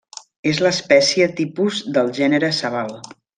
És l'espècie tipus del gènere Sabal.